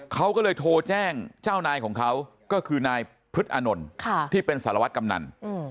เขาก็เลยโทรแจ้งเจ้านายของเขาก็คือนายพฤษอานนท์ที่เป็นสารวัตรกำนัน